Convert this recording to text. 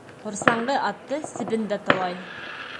Ҡорсаңғы атты себен дә талай.